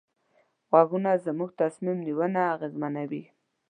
غږونه زموږ تصمیم نیونه اغېزمنوي.